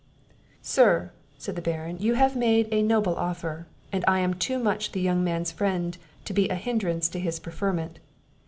"Sir," said the Baron, "you have made a noble offer, and I am too much the young man's friend to be a hindrance to his preferment.